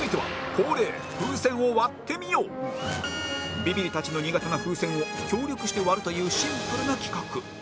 ビビリたちの苦手な風船を協力して割るというシンプルな企画